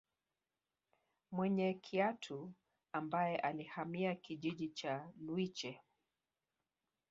Mwene Kiatu ambaye alihamia kijiji cha Lwiche